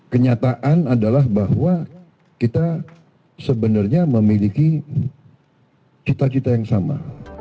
kenyataan adalah bahwa kita sebenarnya memiliki cita cita yang sama